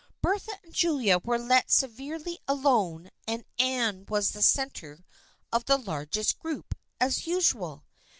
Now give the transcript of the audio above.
Bertha and Julia were let severely alone and Anne was the centre of the largest group, as usual.